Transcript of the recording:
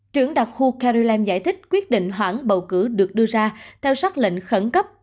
trưởng đặc khu carrie lam giải thích quyết định hoãn bầu cử được đưa ra theo sát lệnh khẩn cấp